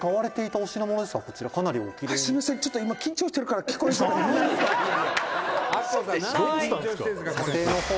和田：「すみません、ちょっと今緊張してるから聞こえづらい」